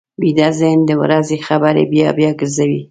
ویده ذهن د ورځې خبرې بیا بیا ګرځوي